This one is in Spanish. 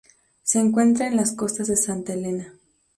Se encuentra en las costas de Santa Helena.